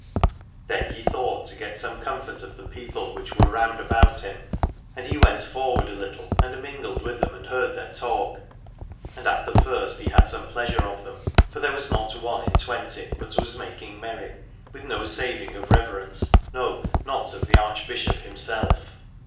313 Aladore Then he thought to get some comfort of the people which were round about him, and he went forward a Httle and mingled with them and heard their talk. And at the first he had some pleasure of them, for there was not one in twenty but was making merry, with no saving of reverence, no, not of the Archbishop himself.